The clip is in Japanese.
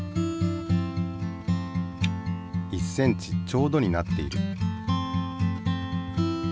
１ｃｍちょうどになっている。